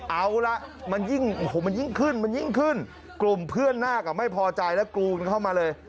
เอาล่ะมันยิ่งโอ้โหมันยิ่งขึ้นมันยิ่งขึ้นกลุ่มเพื่อนหน้าก็ไม่พอใจแล้วกรูนเข้ามาเลย